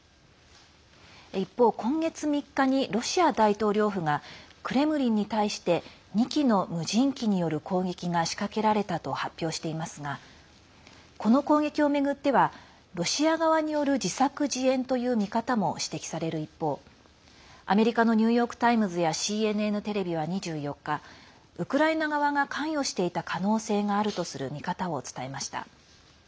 一方、今月３日にロシア大統領府がクレムリンに対して２機の無人機による攻撃が仕掛けられたと発表していますがこの攻撃を巡ってはロシア側による自作自演という見方も指摘される一方アメリカのニューヨーク・タイムズやＣＮＮテレビは２４日ウクライナ側が関与していた可能性があるとする見方を伝えました。